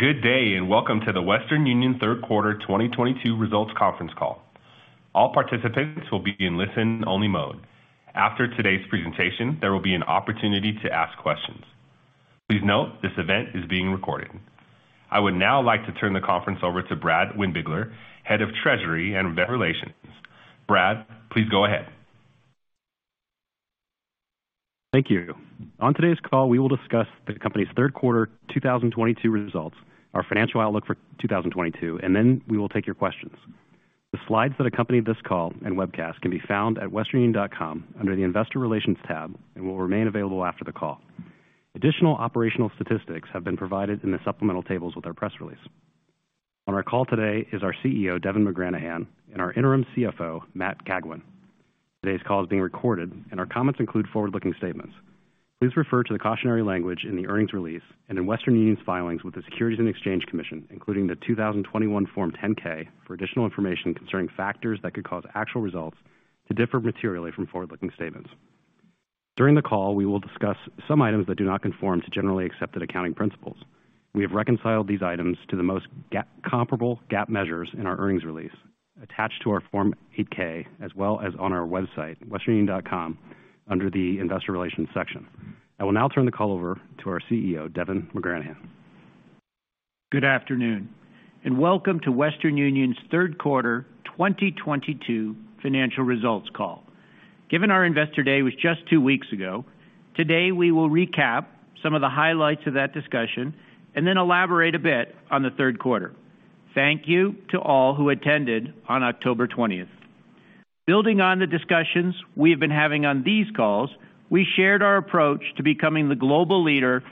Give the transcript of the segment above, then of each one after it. Good day, and welcome to the Western Union’s Third Quarter 2022 Results Conference Call. All participants will be in listen-only mode. After today's presentation, there will be an opportunity to ask questions. Please note this event is being recorded. I would now like to turn the conference over to Brad Windbigler, Head of Treasury and Investor Relations. Brad, please go ahead. Thank you. On today's call, we will discuss the company's third quarter 2022 results, our financial outlook for 2022, and then we will take your questions. The slides that accompany this call and webcast can be found at westernunion.com under the Investor Relations tab and will remain available after the call. Additional operational statistics have been provided in the supplemental tables with our press release. On our call today is our CEO, Devin McGranahan, and our interim CFO, Matt Cagwin. Today's call is being recorded, and our comments include forward-looking statements. Please refer to the cautionary language in the earnings release and in Western Union's filings with the Securities and Exchange Commission, including the 2021 Form 10-K, for additional information concerning factors that could cause actual results to differ materially from forward-looking statements. During the call, we will discuss some items that do not conform to generally accepted accounting principles. We have reconciled these items to the most comparable GAAP measures in our earnings release attached to our Form 8-K as well as on our website, westernunion.com, under the Investor Relations section. I will now turn the call over to our CEO, Devin McGranahan. Good afternoon, and welcome to Western Union's Third Quarter 2022 Financial Results Call. Given our Investor Day was just two weeks ago, today we will recap some of the highlights of that discussion and then elaborate a bit on the third quarter. Thank you to all who attended on October 20. Building on the discussions we have been having on these calls, we shared our approach to becoming the global leader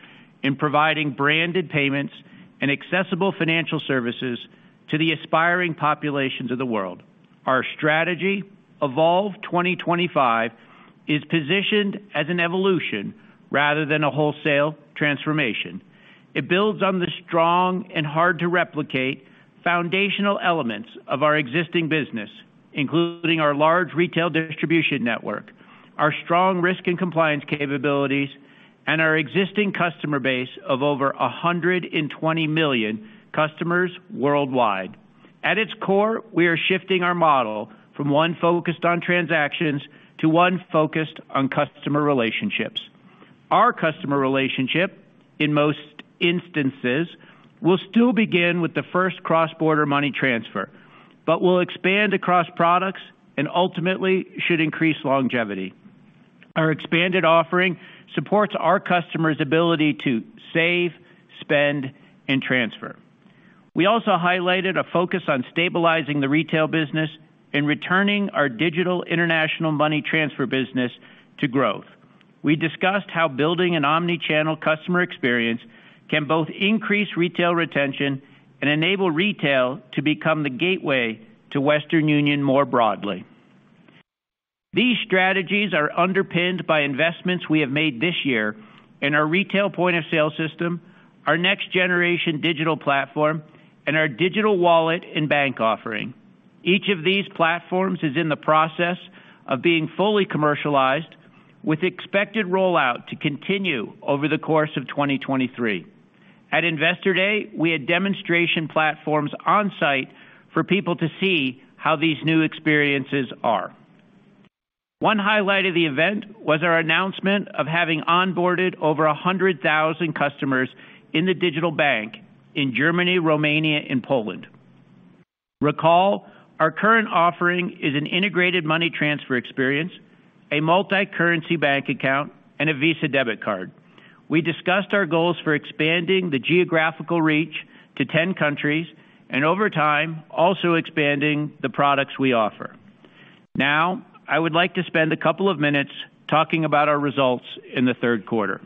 in providing branded payments and accessible financial services to the aspiring populations of the world. Our strategy, Evolve 2025, is positioned as an evolution rather than a wholesale transformation. It builds on the strong and hard-to-replicate foundational elements of our existing business, including our large retail distribution network, our strong risk and compliance capabilities, and our existing customer base of over 120 million customers worldwide. At its core, we are shifting our model from one focused on transactions to one focused on customer relationships. Our customer relationship, in most instances, will still begin with the first cross-border money transfer but will expand across products and ultimately should increase longevity. Our expanded offering, supports our customers' ability to save, spend, and transfer. We also highlighted a focus on stabilizing the retail business and returning our digital international money transfer business to growth. We discussed how building an omni-channel customer experience can both increase retail retention and enable retail to become the gateway to Western Union more broadly. These strategies are underpinned by investments we have made this year in our retail point-of-sale system, our next-generation digital platform, and our digital wallet and bank offering. Each of these platforms is in the process of being fully commercialized with expected rollout to continue over the course of 2023. At Investor Day, we had demonstration platforms on-site for people to see how these new experiences are. One highlight of the event was our announcement of having onboarded over 100,000 customers in the digital bank in Germany, Romania, and Poland. Recall, our current offering is an integrated money transfer experience, a multi-currency bank account, and a Visa debit card. We discussed our goals for expanding the geographical reach to 10 countries and over time, also expanding the products we offer. Now, I would like to spend a couple of minutes talking about our results in the third quarter.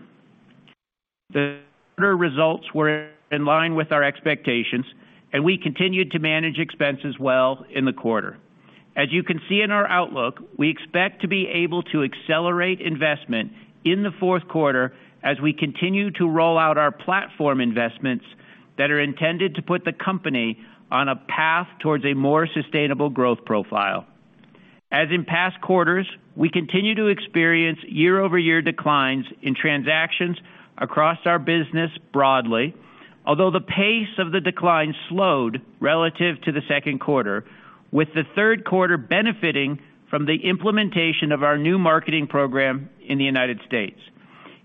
The quarter results were in line with our expectations, and we continued to manage expenses well in the quarter. As you can see in our outlook, we expect to be able to accelerate investment in the fourth quarter as we continue to roll out our platform investments that are intended to put the company on a path towards a more sustainable growth profile. As in past quarters, we continue to experience year-over-year declines in transactions across our business broadly. Although the pace of the decline slowed relative to the second quarter, with the third quarter benefiting from the implementation of our new marketing program in the United States.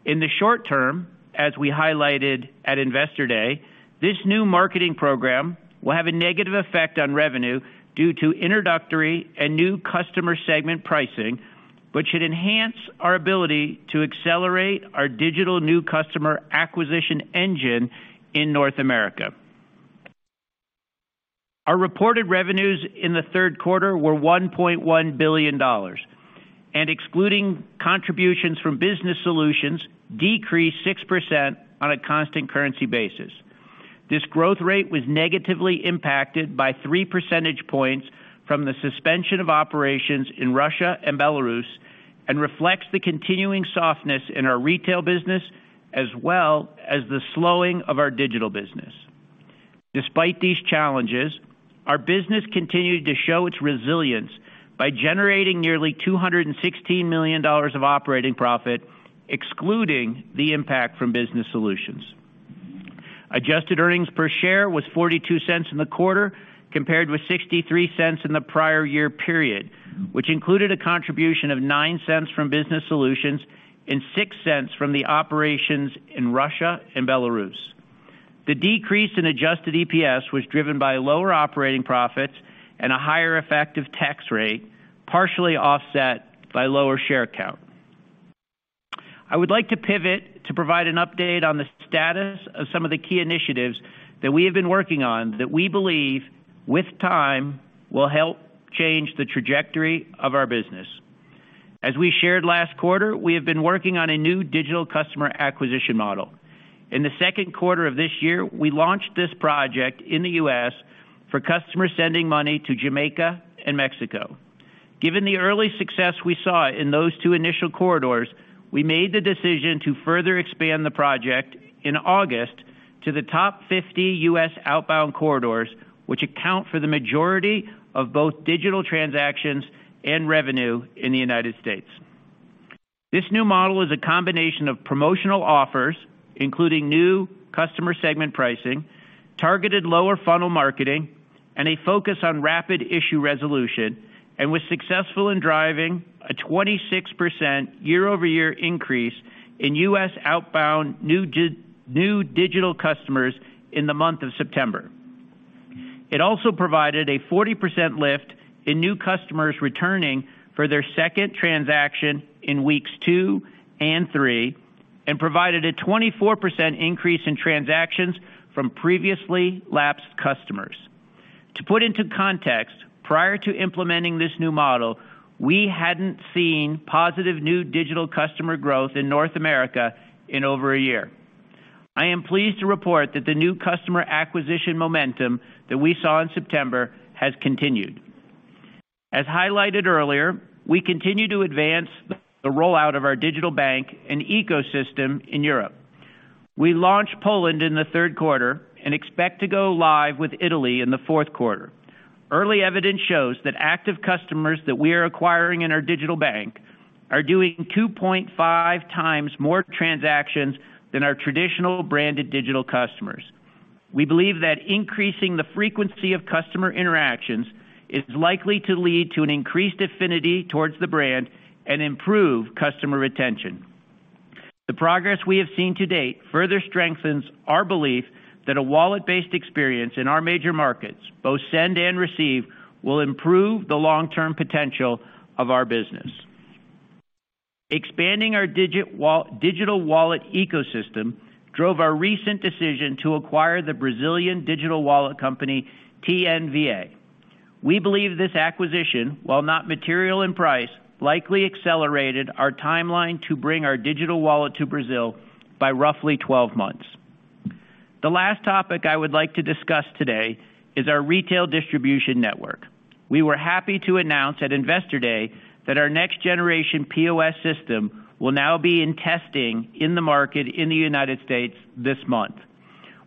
In the short term, as we highlighted at Investor Day, this new marketing program will have a negative effect on revenue due to introductory and new customer segment pricing, but should enhance our ability to accelerate our digital new customer acquisition engine in North America. Our reported revenues in the third quarter were $1.1 billion, and excluding contributions from Business Solutions, decreased 6% on a constant currency basis. This growth rate was negatively impacted by three percentage points from the suspension of operations in Russia and Belarus, and reflects the continuing softness in our retail business as well as the slowing of our digital business. Despite these challenges, our business continued to show its resilience by generating nearly $216 million of operating profit, excluding the impact from Business Solutions. Adjusted earnings per share was $0.42 in the quarter, compared with $0.63 in the prior year period, which included a contribution of $0.09 from Business Solutions and $0.06 from the operations in Russia and Belarus. The decrease in adjusted EPS was driven by lower operating profits and a higher effective tax rate, partially offset by lower share count. I would like to pivot to provide an update on the status of some of the key initiatives that we have been working on that we believe, with time will help change the trajectory of our business. As we shared last quarter, we have been working on a new digital customer acquisition model. In the second quarter of this year, we launched this project in the U.S. for customers sending money to Jamaica and Mexico. Given the early success we saw in those two initial corridors, we made the decision to further expand the project in August to the top 50 U.S. outbound corridors, which account for the majority of both digital transactions and revenue in the United States. This new model is a combination of promotional offers, including new customer segment pricing, targeted lower funnel marketing, and a focus on rapid issue resolution, and was successful in driving a 26% year-over-year increase in U.S. outbound new digital customers in the month of September. It also provided a 40% lift in new customers returning for their second transaction in weeks two and three, and provided a 24% increase in transactions from previously lapsed customers. To put into context, prior to implementing this new model, we hadn't seen positive new digital customer growth in North America in over a year. I am pleased to report that the new customer acquisition momentum that we saw in September has continued. As highlighted earlier, we continue to advance the rollout of our digital bank and ecosystem in Europe. We launched Poland in the third quarter and expect to go live with Italy in the fourth quarter. Early evidence shows that active customers that we are acquiring in our digital bank are doing 2.5x more transactions than our traditional branded digital customers. We believe that increasing the frequency of customer interactions is likely to lead to an increased affinity towards the brand and improve customer retention. The progress we have seen to date further strengthens our belief that a wallet-based experience in our major markets, both send and receive, will improve the long-term potential of our business. Expanding our digital wallet ecosystem drove our recent decision to acquire the Brazilian digital wallet company, Te Enviei. We believe this acquisition, while not material in price, likely accelerated our timeline to bring our digital wallet to Brazil by roughly 12 months. The last topic I would like to discuss today is our retail distribution network. We were happy to announce at Investor Day that our next generation POS system will now be in testing in the market in the United States this month.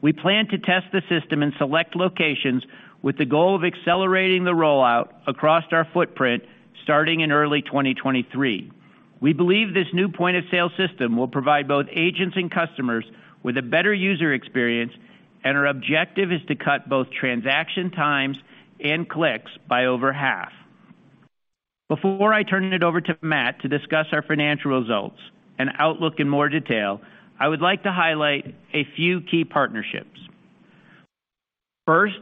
We plan to test the system in select locations with the goal of accelerating the rollout across our footprint starting in early 2023. We believe this new point of sale system will provide both agents and customers with a better user experience, and our objective is to cut both transaction times and clicks by over half. Before I turn it over to Matt to discuss our financial results and outlook in more detail, I would like to highlight a few key partnerships. First,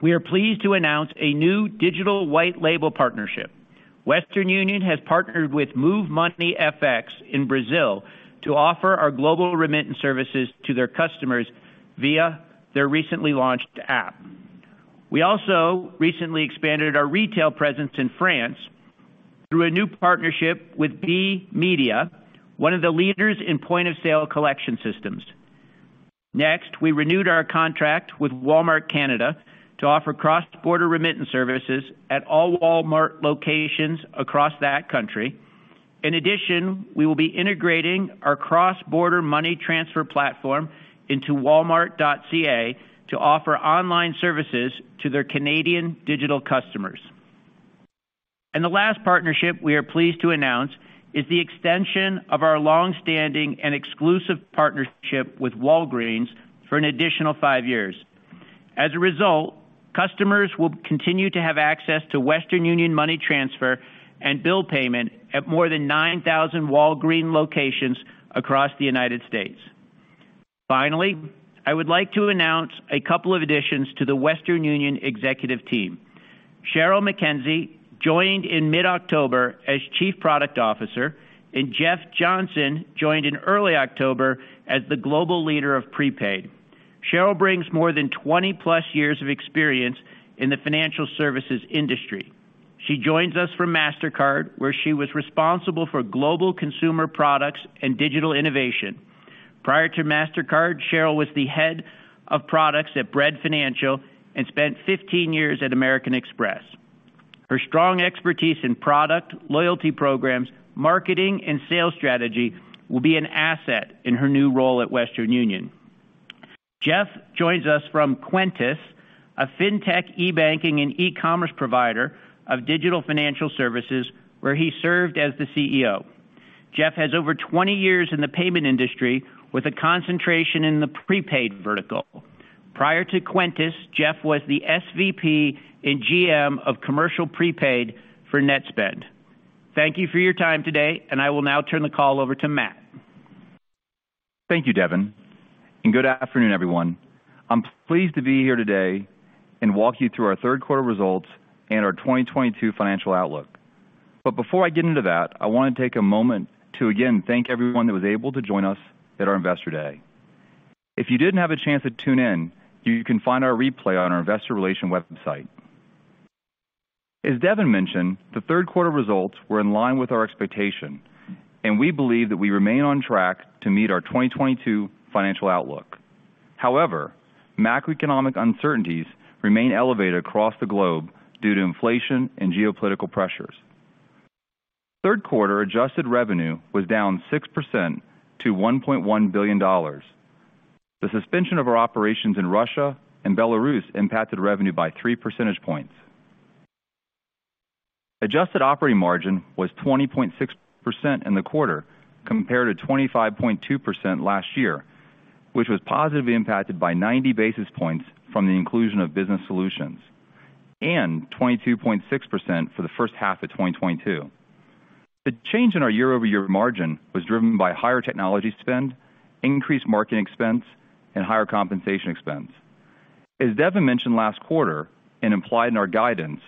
we are pleased to announce a new digital white label partnership. Western Union has partnered with MoveMoneyFX in Brazil to offer our global remittance services to their customers via their recently launched app. We also recently expanded our retail presence in France through a new partnership with Bee Media, one of the leaders in point-of-sale collection systems. Next, we renewed our contract with Walmart Canada to offer cross-border remittance services at all Walmart locations across that country. In addition, we will be integrating our cross-border money transfer platform into walmart.ca to offer online services to their Canadian digital customers. The last partnership we are pleased to announce is the extension of our long-standing and exclusive partnership with Walgreens for an additional five years. As a result, customers will continue to have access to Western Union money transfer and bill payment at more than 9,000 Walgreens locations across the United States. Finally, I would like to announce a couple of additions to the Western Union executive team. Sheryl McKenzie joined in mid-October as Chief Product Officer, and Jeff Johnson joined in early October as the Global Leader of Prepaid. Sheryl brings more than 20+ years of experience in the financial services industry. She joins us from Mastercard, where she was responsible for global consumer products and digital innovation. Prior to Mastercard, Sheryl was the Head of Products at Bread Financial and spent 15 years at American Express. Her strong expertise in product, loyalty programs, marketing, and sales strategy will be an asset in her new role at Western Union. Jeff joins us from Cuentas, a Fintech e-banking and e-commerce provider of digital financial services, where he served as the CEO. Jeff has over 20 years in the payment industry with a concentration in the prepaid vertical. Prior to Cuentas, Jeff was the SVP and GM of Commercial Prepaid for Netspend. Thank you for your time today, and I will now turn the call over to Matt. Thank you, Devin, and good afternoon, everyone. I'm pleased to be here today and walk you through our third quarter results and our 2022 financial outlook. Before I get into that, I wanna take a moment to again thank everyone that was able to join us at our Investor Day. If you didn't have a chance to tune in, you can find our replay on our investor relations website. As Devin mentioned, the third quarter results were in line with our expectation, and we believe that we remain on track to meet our 2022 financial outlook. However, macroeconomic uncertainties remain elevated across the globe due to inflation and geopolitical pressures. Third quarter adjusted revenue was down 6% to $1.1 billion. The suspension of our operations in Russia and Belarus impacted revenue by three percentage points. Adjusted operating margin was 20.6% in the quarter compared to 25.2% last year, which was positively impacted by 90 basis points from the inclusion of Business Solutions, and 22.6% for the first half of 2022. The change in our year-over-year margin was driven by higher technology spend, increased marketing expense, and higher compensation expense. As Devin mentioned last quarter and implied in our guidance,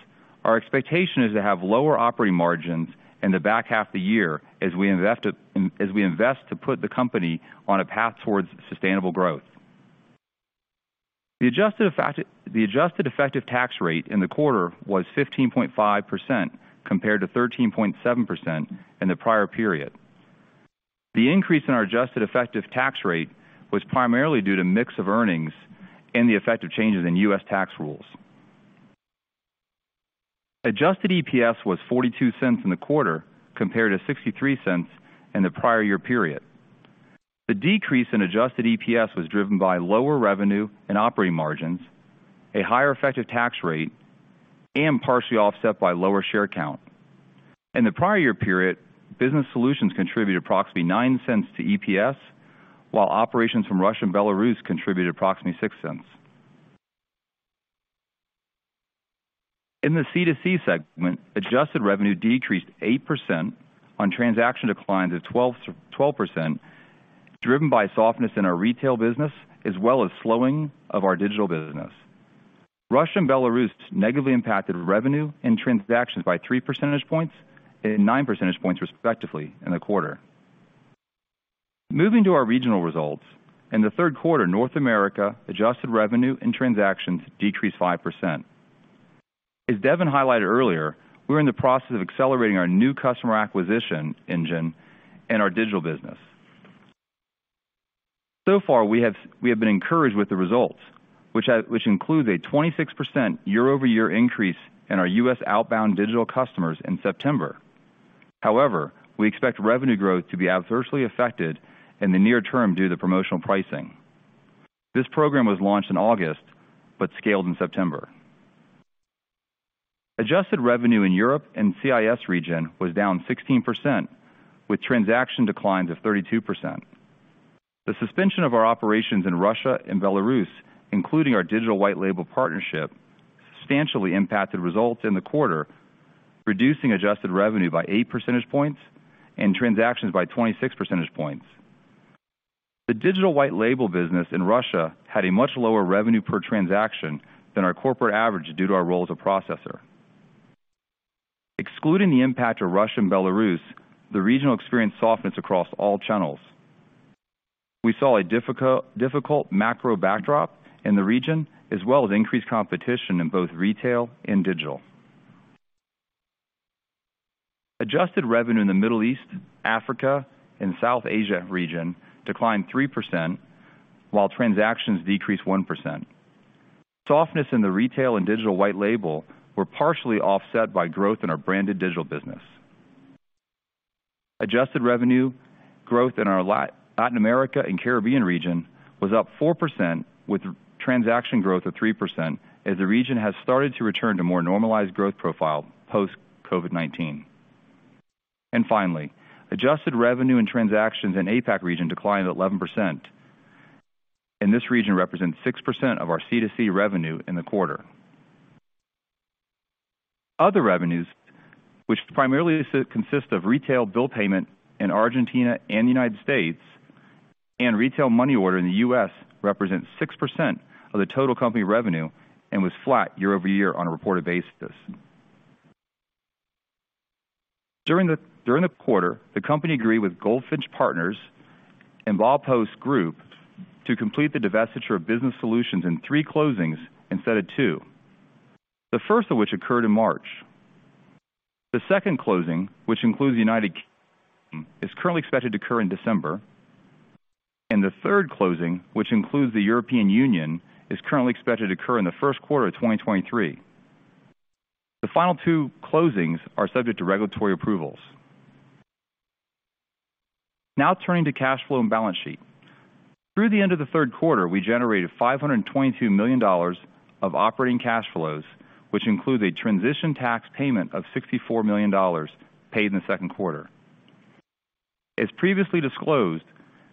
our expectation is to have lower operating margins in the back half of the year as we invest to put the company on a path towards sustainable growth. The adjusted effective tax rate in the quarter was 15.5% compared to 13.7% in the prior period. The increase in our adjusted effective tax rate was primarily due to mix of earnings and the effect of changes in U.S. tax rules. Adjusted EPS was $0.42 in the quarter, compared to $0.63 in the prior year period. The decrease in adjusted EPS was driven by lower revenue and operating margins, a higher effective tax rate, and partially offset by lower share count. In the prior year period, Business Solutions contributed approximately $0.09 to EPS, while operations from Russia and Belarus contributed approximately $0.06. In the C2C segment, adjusted revenue decreased 8% on transaction declines of 12%, driven by softness in our retail business, as well as slowing of our digital business. Russia and Belarus negatively impacted revenue and transactions by three percentage points and nine percentage points, respectively, in the quarter. Moving to our regional results. In the third quarter, North America adjusted revenue and transactions decreased 5%. As Devin highlighted earlier, we're in the process of accelerating our new customer acquisition engine and our digital business. So far, we have been encouraged with the results, which includes a 26% year-over-year increase in our U.S. outbound digital customers in September. However, we expect revenue growth to be adversely affected in the near term due to promotional pricing. This program was launched in August, but scaled in September. Adjusted revenue in Europe and CIS region was down 16%, with transaction declines of 32%. The suspension of our operations in Russia and Belarus, including our digital white label partnership, substantially impacted results in the quarter, reducing adjusted revenue by eight percentage points and transactions by 26 percentage points. The digital white label business in Russia had a much lower revenue per transaction than our corporate average due to our role as a processor. Excluding the impact of Russia and Belarus, the region experienced softness across all channels. We saw a difficult macro backdrop in the region, as well as increased competition in both retail and digital. Adjusted revenue in the Middle East, Africa, and South Asia region declined 3%, while transactions decreased 1%. Softness in the retail and digital white label were partially offset by growth in our Branded Digital business. Adjusted revenue growth in our Latin America and Caribbean region was up 4%, with transaction growth of 3%, as the region has started to return to more normalized growth profile post COVID-19. Finally, adjusted revenue and transactions in APAC region declined 11%, and this region represents 6% of our C2C revenue in the quarter. Other revenues, which primarily consist of retail bill payment in Argentina and the United States and retail money order in the U.S., represents 6% of the total company revenue and was flat year-over-year on a reported basis. During the quarter, the company agreed with Goldfinch Partners and The Baupost Group to complete the divestiture of Business Solutions in three closings instead two, the first of which occurred in March. The second closing, which includes the United Kingdom, is currently expected to occur in December. The third closing, which includes the European Union, is currently expected to occur in the first quarter of 2023. The final two closings are subject to regulatory approvals. Now turning to cash flow and balance sheet. Through the end of the third quarter, we generated $522 million of operating cash flows, which includes a transition tax payment of $64 million paid in the second quarter. As previously disclosed,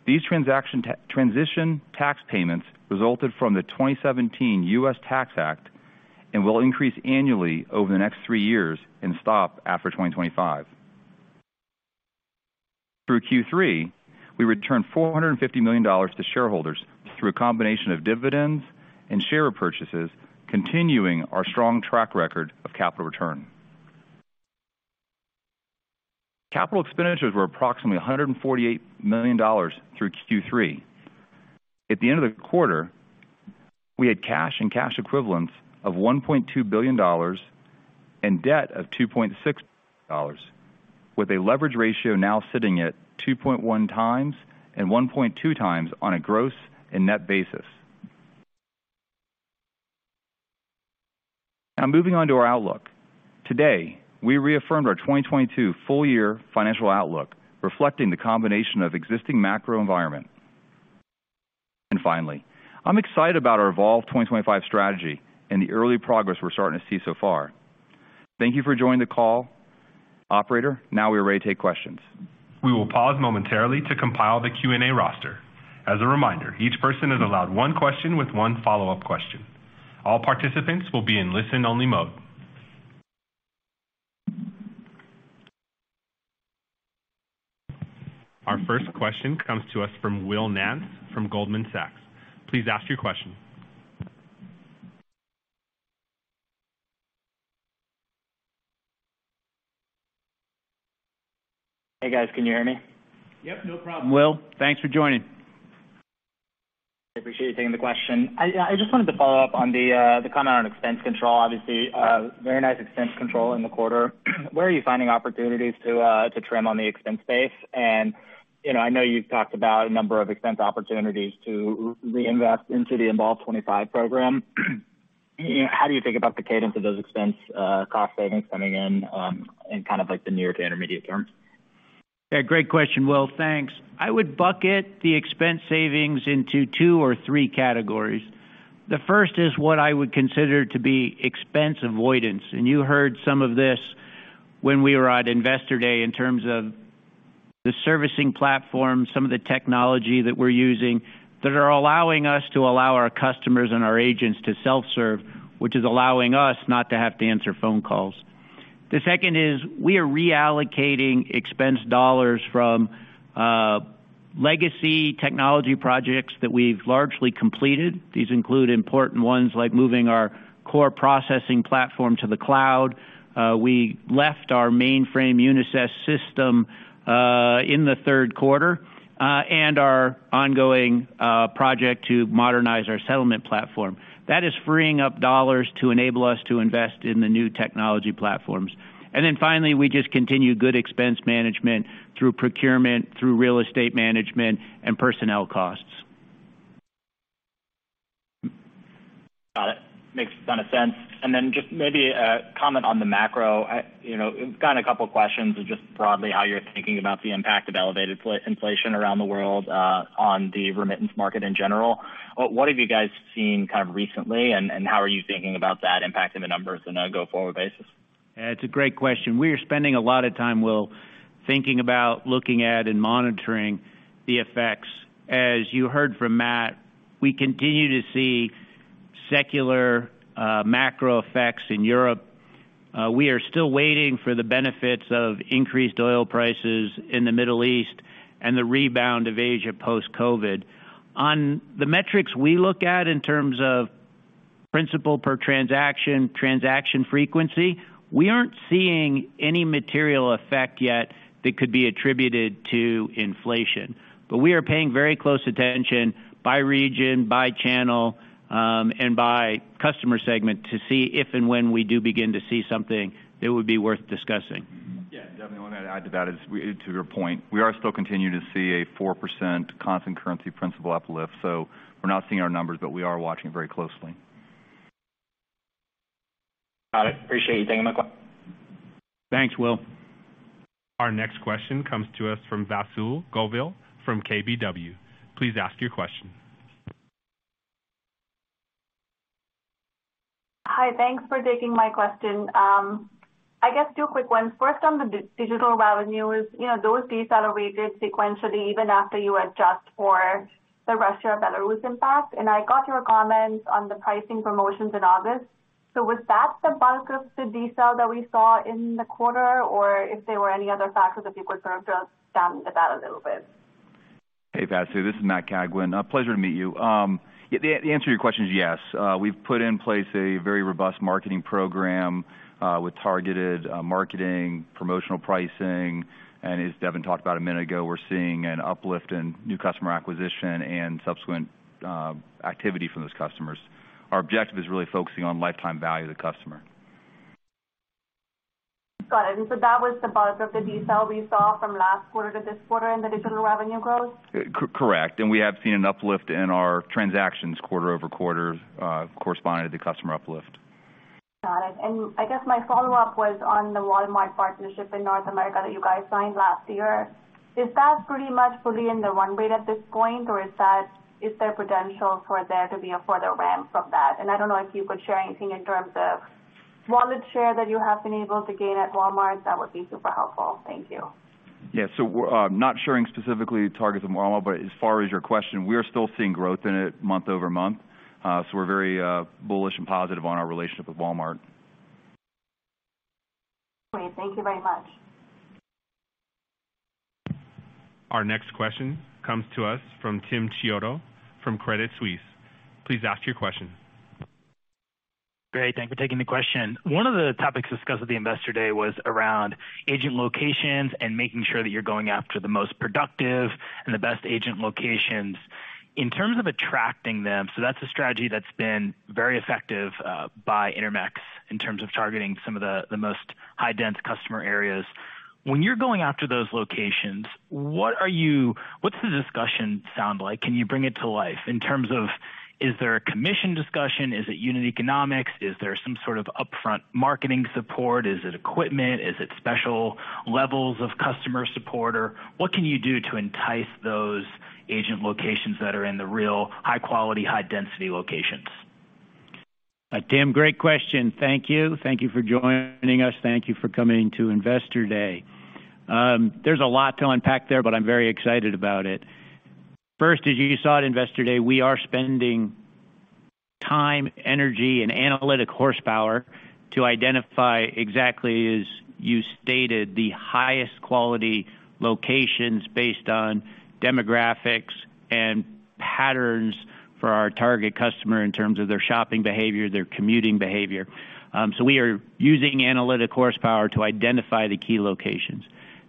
these transition tax payments resulted from the 2017 U.S. Tax Act and will increase annually over the next three years and stop after 2025. Through Q3, we returned $450 million to shareholders through a combination of dividends and share repurchases, continuing our strong track record of capital return. Capital expenditures were approximately $148 million through Q3. At the end of the quarter, we had cash and cash equivalents of $1.2 billion and debt of $2.6 billion, with a leverage ratio now sitting at 2.1x and 1.2x on a gross and net basis. Now moving on to our outlook. Today, we reaffirmed our 2022 full year financial outlook, reflecting the combination of existing macro environment. Finally, I'm excited about our Evolve 2025 strategy and the early progress we're starting to see so far. Thank you for joining the call. Operator, now we are ready to take questions. We will pause momentarily to compile the Q&A roster. As a reminder, each person is allowed one question with one follow-up question. All participants will be in listen-only mode. Our first question comes to us from Will Nance from Goldman Sachs. Please ask your question. Hey, guys. Can you hear me? Yep, no problem, Will. Thanks for joining. I appreciate you taking the question. I just wanted to follow up on the comment on expense control, obviously, very nice expense control in the quarter. Where are you finding opportunities to trim on the expense base? You know, I know you've talked about a number of expense opportunities to reinvest into the Evolve 2025 program. How do you think about the cadence of those expense cost savings coming in kind of like the near to intermediate term? Yeah, great question, Will. Thanks. I would bucket the expense savings into two or three categories. The first is what I would consider to be expense avoidance. You heard some of this when we were at Investor Day in terms of the servicing platform, some of the technology that we're using that are allowing us to allow our customers and our agents to self-serve, which is allowing us not to have to answer phone calls. The second is we are reallocating expense dollars from legacy technology projects that we've largely completed. These include important ones like moving our core processing platform to the cloud. We left our mainframe Unisys system in the third quarter, and our ongoing project to modernize our settlement platform. That is freeing up dollars to enable us to invest in the new technology platforms. Finally, we just continue good expense management through procurement, through real estate management and personnel costs. Got it. Makes a ton of sense. Just maybe a comment on the macro. You know, I've gotten a couple of questions just broadly how you're thinking about the impact of elevated persistent inflation around the world on the remittance market in general. What have you guys seen kind of recently, and how are you thinking about that impact in the numbers on a go-forward basis? It's a great question. We are spending a lot of time, Will, thinking about, looking at, and monitoring the effects. As you heard from Matt, we continue to see secular macro effects in Europe. We are still waiting for the benefits of increased oil prices in the Middle East and the rebound of Asia post-COVID. On the metrics, we look at in terms of principal per transaction, transaction frequency, we aren't seeing any material effect yet that could be attributed to inflation. We are paying very close attention by region, by channel, and by customer segment to see if, and when we do begin to see something that would be worth discussing. Yeah, Devin, the one I'd add to that is, to your point, we are still continuing to see a 4% constant currency principal uplift. We're not seeing our numbers, but we are watching very closely. Got it. Appreciate you taking my call. Thanks, Will. Our next question comes to us from Vasu Govil from KBW. Please ask your question. Hi. Thanks for taking my question. I guess two quick ones. First, on the digital revenues, you know, those decelerated sequentially even after you adjust for the Russia-Belarus impact. I got your comments on the pricing promotions in August. Was that the bulk of the decel that we saw in the quarter, or if there were any other factors that you could sort of drill down into that a little bit? Hey, Vasu. This is Matt Cagwin. A pleasure to meet you. Yeah, the answer to your question is yes. We've put in place a very robust marketing program with targeted marketing, promotional pricing, and as Devin talked about a minute ago, we're seeing an uplift in new customer acquisition and subsequent activity from those customers. Our objective is really focusing on lifetime value of the customer. Got it. That was the bulk of the detail we saw from last quarter to this quarter in the digital revenue growth? Correct. We have seen an uplift in our transactions quarter-over-quarter, corresponding to customer uplift. Got it. I guess my follow-up was on the Walmart partnership in North America that you guys signed last year. Is that pretty much fully in the run rate at this point, or is that, is there potential for there to be a further ramp from that? I don't know if you could share anything in terms of wallet share that you have been able to gain at Walmart, that would be super helpful. Thank you. Yeah. We're not sharing specific targets with Walmart, but as far as your question, we are still seeing growth in it month-over-month. We're very bullish and positive on our relationship with Walmart. Great. Thank you very much. Our next question comes to us from Tim Chiodo from Credit Suisse. Please ask your question. Great, thank you for taking the question. One of the topics discussed at the Investor Day was around agent locations and making sure that you're going after the most productive and the best agent locations. In terms of attracting them, so that's a strategy that's been very effective by Intermex in terms of targeting some of the most high-density customer areas. When you're going after those locations, what's the discussion sound like? Can you bring it to life in terms of is there a commission discussion? Is it unit economics? Is there some sort of upfront marketing support? Is it equipment? Is it special levels of customer support? Or what can you do to entice those agent locations that are in the real high-quality, high-density locations? Tim, great question. Thank you. Thank you for joining us. Thank you for coming to Investor Day. There's a lot to unpack there, but I'm very excited about it. First, as you saw at Investor Day, we are spending time, energy, and analytic horsepower to identify exactly, as you stated, the highest quality locations based on demographics and patterns for our target customer in terms of their shopping behavior, their commuting behavior. We are using analytic horsepower to identify the key locations.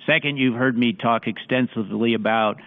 Second, you've heard me talk extensively about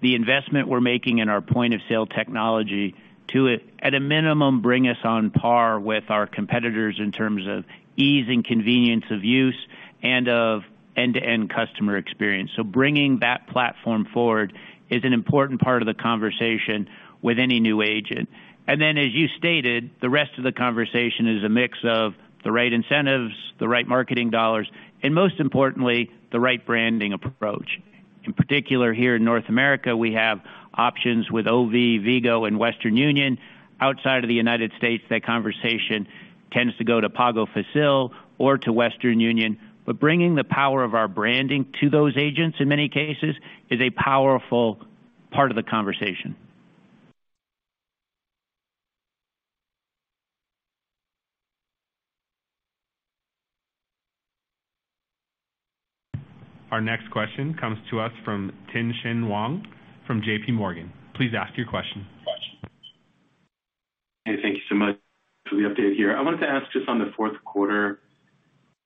the investment we're making in our point of sale technology to, at a minimum, bring us on par with our competitors in terms of ease and convenience of use and of end-to-end customer experience. Bringing that platform forward is an important part of the conversation with any new agent. As you stated, the rest of the conversation is a mix of the right incentives, the right marketing dollars, and most importantly, the right branding approach. In particular, here in North America, we have options with OV, Vigo, and Western Union. Outside of the United States, that conversation tends to go to Pago Fácil or to Western Union. Bringing the power of our branding to those agents, in many cases, is a powerful part of the conversation. Our next question comes to us from Tien-Tsin Huang from JPMorgan. Please ask your question. Hey, thank you so much for the update here. I wanted to ask just on the fourth quarter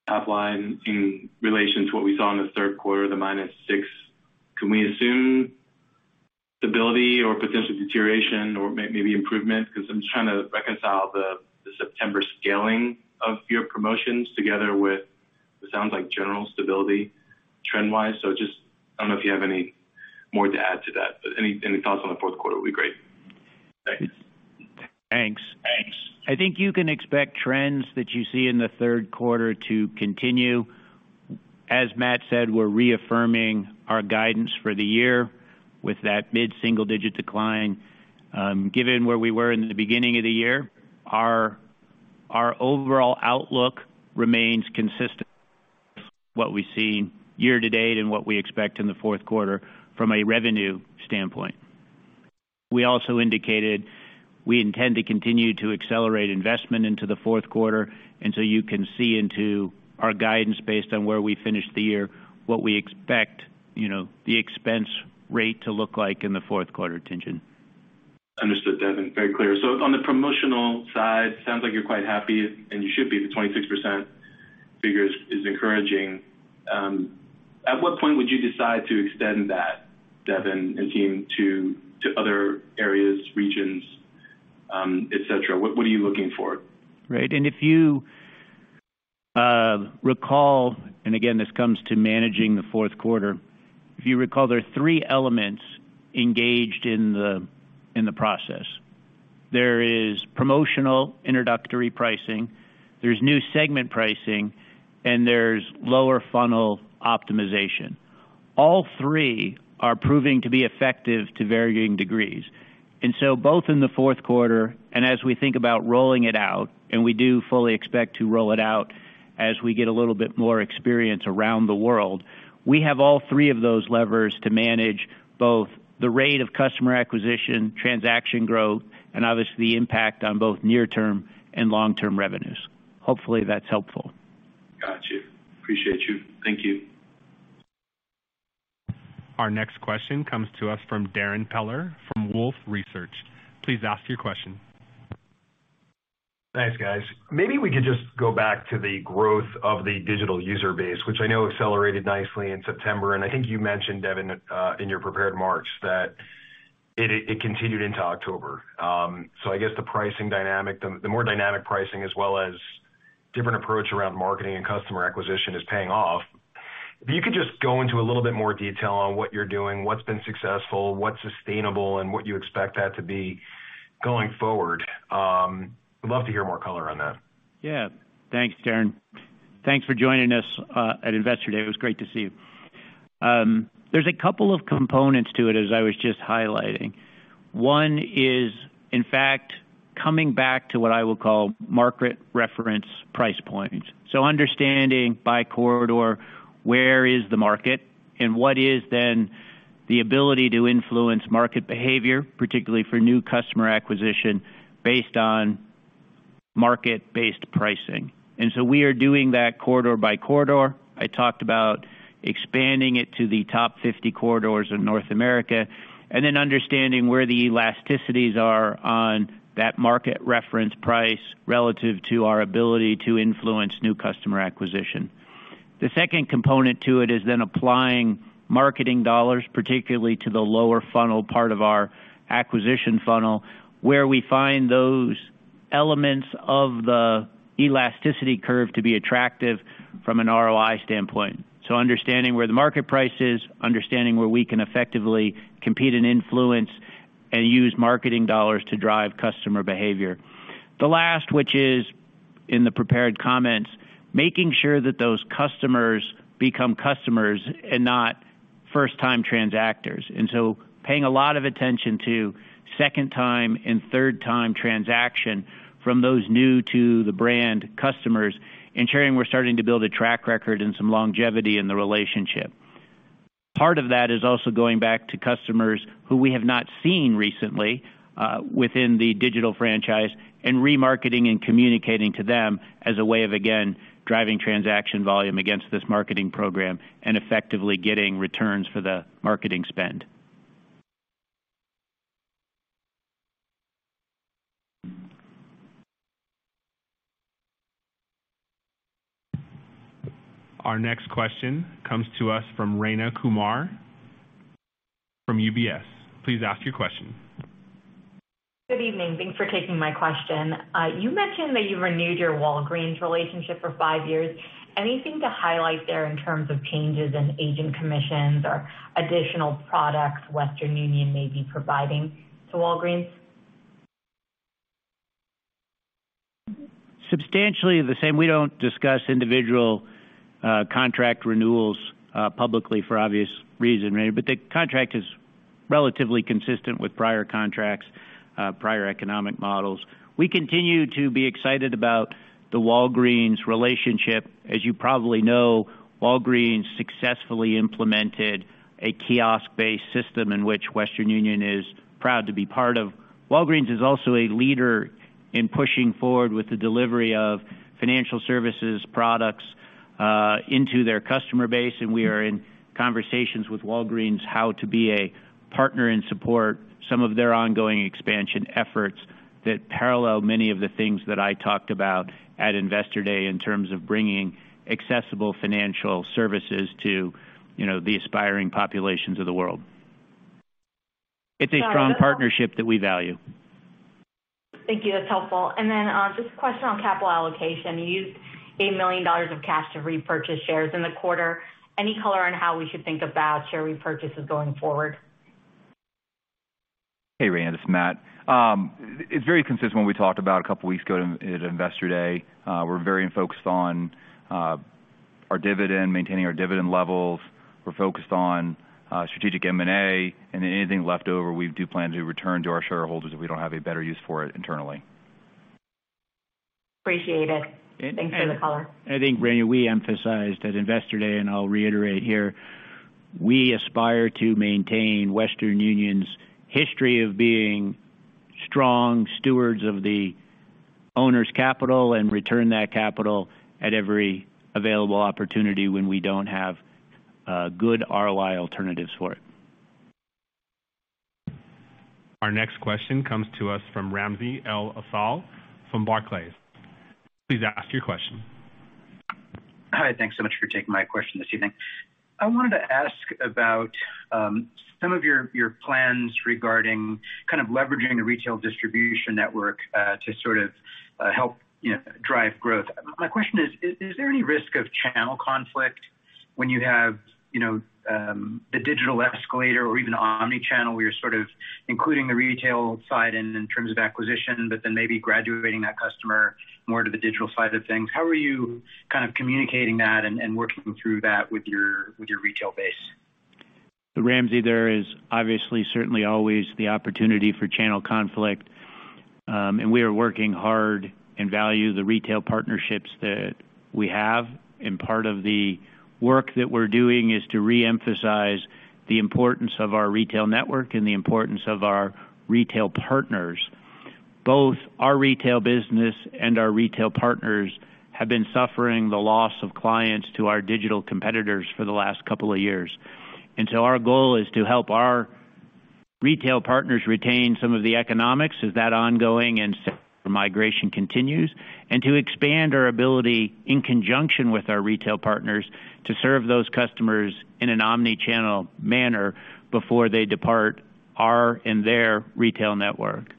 top line in relation to what we saw in the third quarter, the -6%. Can we assume stability or potential deterioration or maybe improvement? Because I'm trying to reconcile the September scaling of your promotions together with what sounds like general stability trend wise. I don't know if you have any more to add to that. Any thoughts on the fourth quarter would be great. Thanks. Thanks. Thanks. I think you can expect trends that you see in the third quarter to continue. As Matt said, we're reaffirming our guidance for the year with that mid-single-digit decline. Given where we were in the beginning of the year, our overall outlook remains consistent with what we've seen year-to-date and what we expect in the fourth quarter from a revenue standpoint. We also indicated we intend to continue to accelerate investment into the fourth quarter, and so you can see into our guidance based on where we finish the year, what we expect, you know, the expense rate to look like in the fourth quarter, Tien-Tsin. Understood, Devin. Very clear. On the promotional side, sounds like you're quite happy, and you should be. The 26% figure is encouraging. At what point would you decide to extend that, Devin and team, to other areas, regions, et cetera? What are you looking for? Right. If you recall, and again, this comes to managing the fourth quarter. If you recall, there are three elements engaged in the process. There is promotional introductory pricing, there's new segment pricing, and there's lower funnel optimization. All three are proving to be effective to varying degrees. Both in the fourth quarter and as we think about rolling it out, we do fully expect to roll it out as we get a little bit more experience around the world. We have all three of those levers to manage both the rate of customer acquisition, transaction growth, and obviously the impact on both near-term and long-term revenues. Hopefully, that's helpful. Got you. Appreciate you. Thank you. Our next question comes to us from Darrin Peller from Wolfe Research. Please ask your question. Thanks, guys. Maybe we could just go back to the growth of the digital user base, which I know accelerated nicely in September. I think you mentioned, Devin, in your prepared remarks, that it continued into October. I guess the pricing dynamic, the more dynamic pricing as well as different approach around marketing and customer acquisition is paying off. If you could just go into a little bit more detail on what you're doing, what's been successful, what's sustainable, and what you expect that to be going forward. I'd love to hear more color on that. Yeah. Thanks, Darrin. Thanks for joining us at Investor Day. It was great to see you. There's a couple of components to it as I was just highlighting. One is, in fact, coming back to what I will call market reference price points. Understanding by corridor where is the market and what is then the ability to influence market behavior, particularly for new customer acquisition based on market-based pricing. We are doing that corridor by corridor. I talked about expanding it to the top 50 corridors in North America, and then understanding where the elasticities are on that market reference price relative to our ability to influence new customer acquisition. The second component to it is then applying marketing dollars, particularly to the lower funnel part of our acquisition funnel, where we find those elements of the elasticity curve to be attractive from an ROI standpoint. Understanding where the market price is, understanding where we can effectively compete and influence and use marketing dollars to drive customer behavior. The last, which is in the prepared comments, making sure that those customers become customers and not first-time transactors. Paying a lot of attention to second-time and third-time transaction from those new to the brand customers, ensuring we're starting to build a track record and some longevity in the relationship. Part of that is also going back to customers who we have not seen recently within the digital franchise and remarketing and communicating to them as a way of, again, driving transaction volume against this marketing program and effectively getting returns for the marketing spend. Our next question comes to us from Rayna Kumar from UBS. Please ask your question. Good evening. Thanks for taking my question. You mentioned that you renewed your Walgreens relationship for five years. Anything to highlight there in terms of changes in agent commissions or additional products Western Union may be providing to Walgreens? Substantially the same. We don't discuss individual contract renewals publicly for obvious reason, right? The contract is relatively consistent with prior contracts, prior economic models. We continue to be excited about the Walgreens relationship. As you probably know, Walgreens successfully implemented a kiosk-based system in which Western Union is proud to be part of. Walgreens is also a leader in pushing forward with the delivery of financial services products into their customer base, and we are in conversations with Walgreens how to be a partner and support some of their ongoing expansion efforts that parallel many of the things that I talked about at Investor Day in terms of bringing accessible financial services to, you know, the aspiring populations of the world. It's a strong partnership that we value. Thank you. That's helpful. Just a question on capital allocation. You used $80 million of cash to repurchase shares in the quarter. Any color on how we should think about share repurchases going forward? Hey, Rayna, this is Matt. It's very consistent when we talked about a couple of weeks ago at Investor Day. We're very focused on our dividend, maintaining our dividend levels. We're focused on strategic M&A, and anything left over, we do plan to return to our shareholders if we don't have a better use for it internally. Appreciate it. Thanks for the color. I think, Rayna, we emphasized at Investor Day, and I'll reiterate here, we aspire to maintain Western Union's history of being strong stewards of the owner's capital and return that capital at every available opportunity when we don't have good ROI alternatives for it. Our next question comes to us from Ramsey El-Assal from Barclays. Please ask your question. Hi. Thanks so much for taking my question this evening. I wanted to ask about some of your plans regarding kind of leveraging the retail distribution network to sort of help, you know, drive growth. My question is, is there any risk of channel conflict when you have a digital escalator or even omni-channel, where you're sort of including the retail side in terms of acquisition, but then maybe graduating that customer more to the digital side of things? How are you kind of communicating that and working through that with your retail base? Ramsey, there is, obviously, certainly, always the opportunity for channel conflict, and we are working hard and value the retail partnerships that we have, and part of the work that we're doing is to reemphasize the importance of our retail network and the importance of our retail partners. Both our retail business and our retail partners have been suffering the loss of clients to our digital competitors for the last couple of years. Our goal is to help our retail partners retain some of the economics as that ongoing omni-channel migration continues, and to expand our ability in conjunction with our retail partners to serve those customers in an omni-channel manner before they depart from our and their retail network.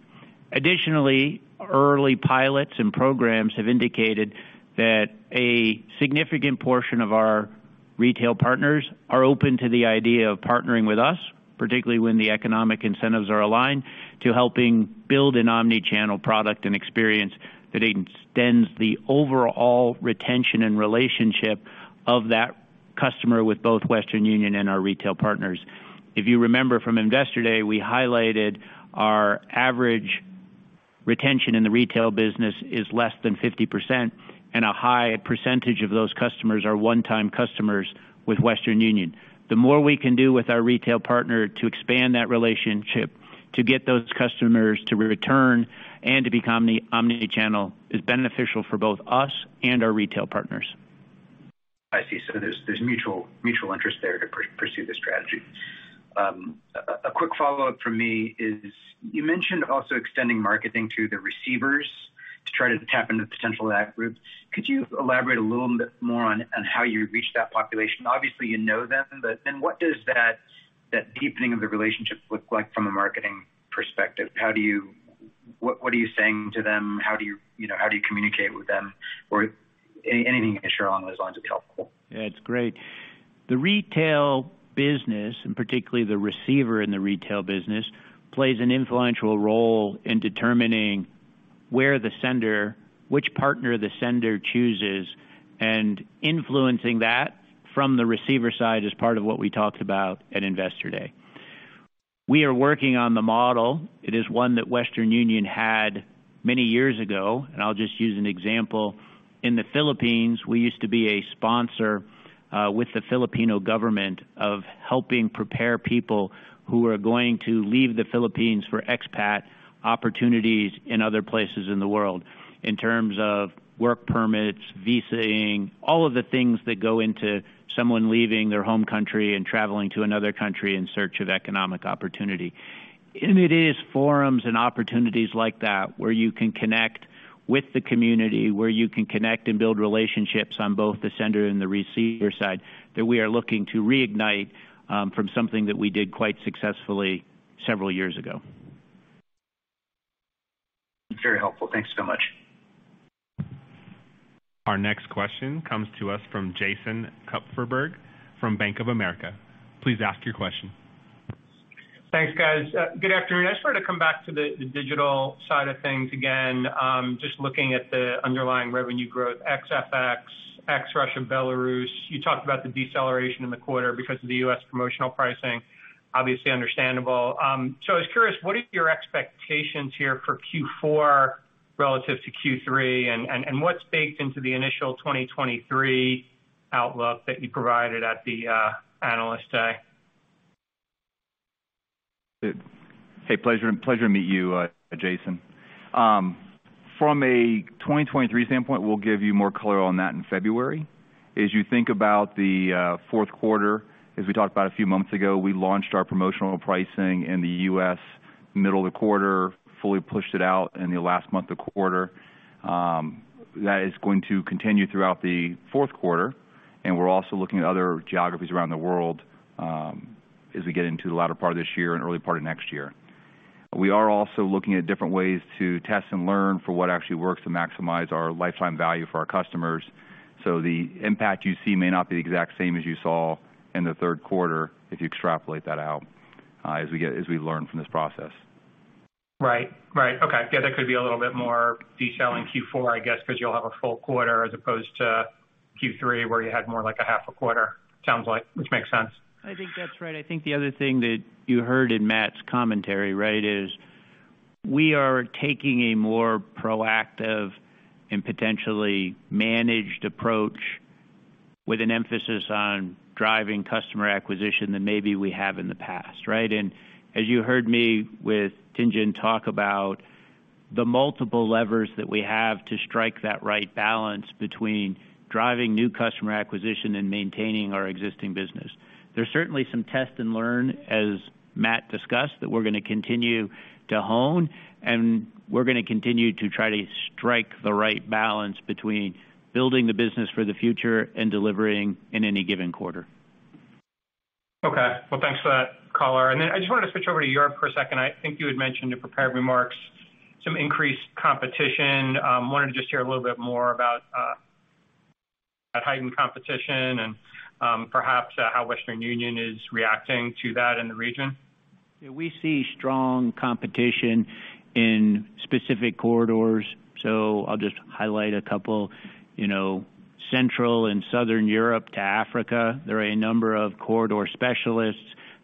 Additionally, early pilots and programs have indicated that a significant portion of our retail partners are open to the idea of partnering with us, particularly when the economic incentives are aligned to helping build an omni-channel product and experience that extends the overall retention and relationship of that customer with both Western Union and our retail partners. If you remember from Investor Day, we highlighted our average retention in the retail business is less than 50%, and a high percentage of those customers are one-time customers with Western Union. The more we can do with our retail partner to expand that relationship to get those customers to return and to become omni-channel is beneficial for both us and our retail partners. I see. There's mutual interest there to pursue this strategy. A quick follow-up from me is, you mentioned, also extending marketing to the receivers to try to tap into potential ad groups. Could you elaborate a little bit more on how you reach that population? Obviously, you know them, but then what does that deepening of the relationship look like from a marketing perspective? What are you saying to them? How do, you know, how do you communicate with them or anything you can share along those lines would be helpful. Yeah, it's great. The retail business, and particularly the receiver in the retail business, plays an influential role in determining where the sender, which partner the sender chooses, and influencing that from the receiver side is part of what we talked about at Investor Day. We are working on the model. It is one that Western Union had many years ago, and I'll just use an example. In the Philippines, we used to be a sponsor with the Filipino government of helping prepare people who are going to leave the Philippines for expat opportunities in other places in the world in terms of work permits, visas, all of the things that go into someone leaving their home country and traveling to another country in search of economic opportunity. It is forums and opportunities like that where you can connect with the community, where you can connect and build relationships on both the sender and the receiver side that we are looking to reignite from something that we did quite successfully several years ago. Very helpful. Thanks so much. Our next question comes to us from Jason Kupferberg from Bank of America. Please ask your question. Thanks, guys. Good afternoon. I just wanted to come back to the digital side of things again, just looking at the underlying revenue growth ex FX, ex Russia, Belarus. You talked about the deceleration in the quarter because of the U.S. promotional pricing. Obviously understandable. So, I was curious, what is your expectations here for Q4 relative to Q3 and what's baked into the initial 2023 outlook that you provided at the Analyst Day? Hey, pleasure to meet you, Jason. From a 2023 standpoint, we'll give you more color on that in February. As you think about the fourth quarter, as we talked about a few months ago, we launched our promotional pricing in the U.S. middle of the quarter, fully pushed it out in the last month of the quarter. That is going to continue throughout the fourth quarter, and we're also looking at other geographies around the world, as we get into the latter part of this year and early part of next year. We are also looking at different ways to test and learn for what actually works to maximize our lifetime value for our customers. The impact you see may not be the exact same as you saw in the third quarter if you extrapolate that out, as we learn from this process. Right. Okay. Yeah, there could be a little bit more detail in Q4, I guess, because you'll have a full quarter as opposed to Q3, where you had more like a half a quarter, sounds like, which makes sense. I think that's right. I think the other thing that you heard in Matt's commentary, right, is we are taking a more proactive and potentially managed approach with an emphasis on driving customer acquisition than maybe we have in the past, right? As you heard me with Tien-Tsin talk about the multiple levers that we have to strike that right balance between driving new customer acquisition and maintaining our existing business. There's certainly, some test and learn, as Matt discussed, that we're gonna continue to hone, and we're gonna continue to try to strike the right balance between building the business for the future and delivering in any given quarter. Okay. Well, thanks for that color. I just wanted to switch over to Europe for a second. I think you had mentioned in prepared remarks some increased competition. Wanted to just hear a little bit more about that heightened competition and perhaps how Western Union is reacting to that in the region. Yeah, we see strong competition in specific corridors, so I'll just highlight a couple. You know, Central and Southern Europe to Africa, there are a number of corridor specialists.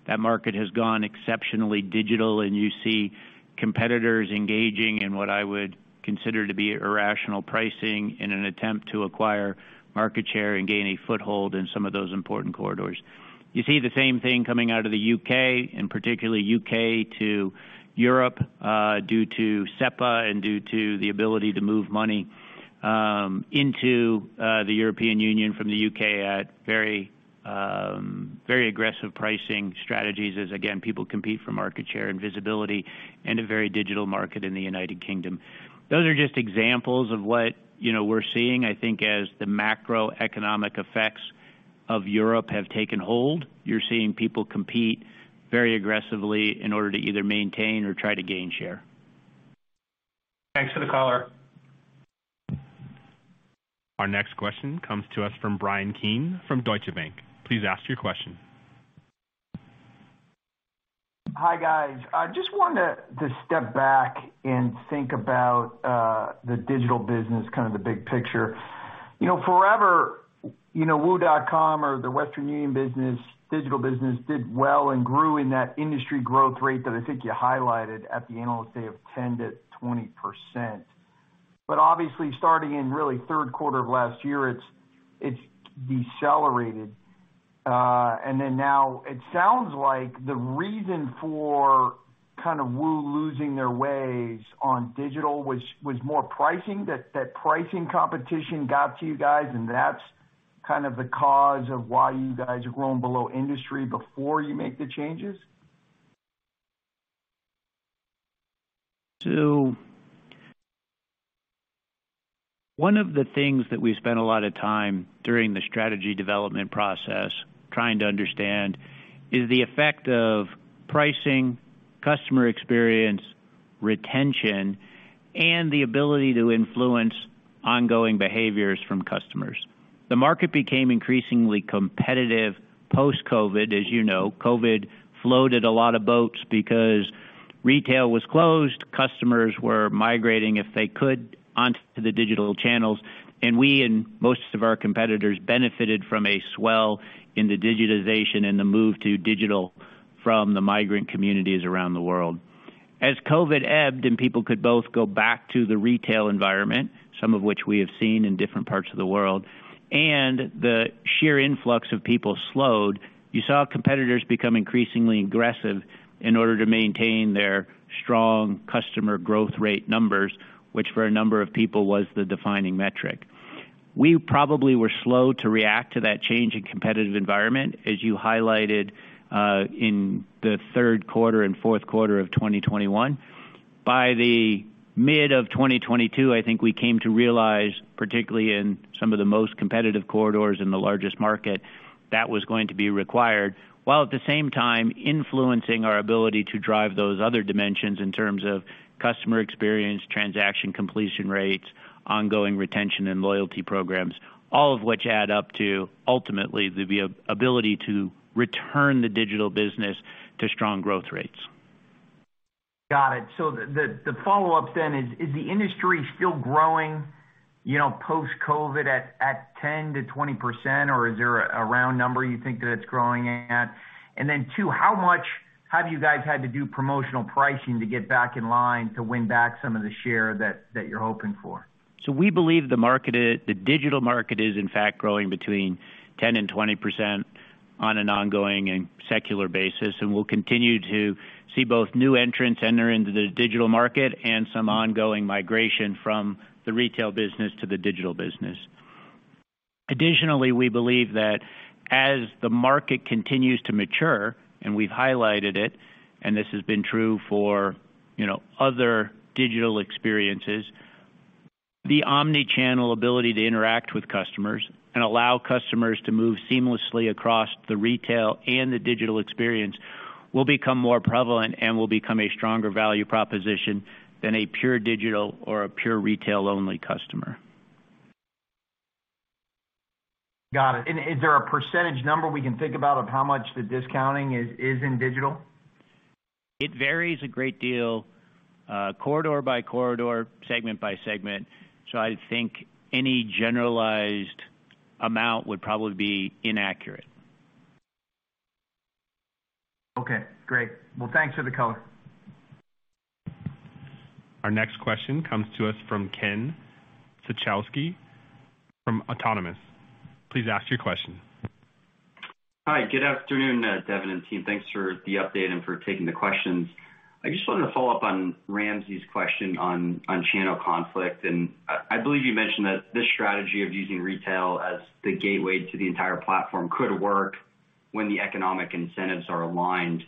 That market has gone exceptionally digital, and you see competitors engaging in what I would consider to be irrational pricing in an attempt to acquire market share and gain a foothold in some of those important corridors. You see the same thing coming out of the U.K., and particularly U.K. to Europe, due to SEPA and due to the ability to move money into the European Union from the U.K. at very very aggressive pricing strategies as, again, people compete for market share and visibility in a very digital market in the United Kingdom. Those are just examples of what, you know, we're seeing, I think, as the macroeconomic effects of Europe have taken hold. You're seeing people compete very aggressively in order to either maintain or try to gain share. Thanks for the color. Our next question comes to us from Bryan Keane from Deutsche Bank. Please ask your question. Hi, guys. I just wanted to step back and think about the digital business, kind of the big picture. You know, forever, you know, WU.com or the Western Union business, digital business did well and grew in that industry growth rate that I think you highlighted at the Analyst Day of 10%-20%. Obviously, starting in really third quarter of last year, it's decelerated. Then now it sounds like the reason for kind of WU losing their ways on digital was more pricing, that pricing competition got to you guys, and that's kind of the cause of why you guys are growing below industry before you make the changes? One of the things that we spent a lot of time during the strategy development process trying to understand is the effect of pricing, customer experience, retention, and the ability to influence ongoing behaviors from customers. The market became increasingly competitive post-COVID. As you know, COVID floated a lot of boats because retail was closed, customers were migrating, if they could, onto the digital channels, and we and most of our competitors benefited from a swell in the digitization and the move to digital from the migrant communities around the world. As COVID ebbed and people could both go back to the retail environment, some of which we have seen in different parts of the world, and the sheer influx of people slowed, you saw competitors become increasingly aggressive in order to maintain their strong customer growth rate numbers, which for a number of people was the defining metric. We probably were slow to react to that change in competitive environment, as you highlighted, in the third quarter and fourth quarter of 2021. By the mid of 2022, I think we came to realize, particularly in some of the most competitive corridors in the largest market, that was going to be required. While at the same, time influencing our ability to drive those other dimensions in terms of customer experience, transaction completion rates, ongoing retention and loyalty programs, all of which add up to ultimately the ability to return the digital business to strong growth rates. Got it. The follow-up then is, is the industry still growing, you know, post-COVID at 10%-20%, or is there a round number you think that it's growing at? Then two, how much have you guys had to do promotional pricing to get back in line to win back some of the share that you're hoping for? We believe the digital market is in fact growing between 10% and 20% on an ongoing and secular basis. We'll continue to see both new entrants enter into the digital market and some ongoing migration from the retail business to the digital business. Additionally, we believe that as the market continues to mature, and we've highlighted it, and this has been true for, you know, other digital experiences, the omni-channel ability to interact with customers and allow customers to move seamlessly across the retail and the digital experience will become more prevalent and will become a stronger value proposition than a pure digital or a pure retail-only customer. Got it. Is there a percentage number we can think about of how much the discounting is in digital? It varies a great deal, corridor by corridor, segment by segment, so I think, any generalized amount would probably be inaccurate. Okay, great. Well, thanks for the color. Our next question comes to us from Ken Suchoski from Autonomous. Please ask your question. Hi. Good afternoon, Devin and team. Thanks for the update and for taking the questions. I just wanted to follow up on Ramsey's question on channel conflict. I believe you mentioned that this strategy of using retail as the gateway to the entire platform could work when the economic incentives are aligned.